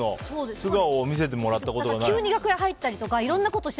素顔を見せてもらったことがない。